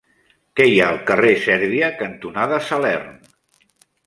Què hi ha al carrer Sèrbia cantonada Salern?